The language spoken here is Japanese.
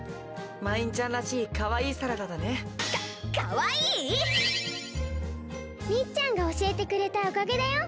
まいんちゃんらしいかわいいサラダだね。かかわいい⁉みっちゃんがおしえてくれたおかげだよ。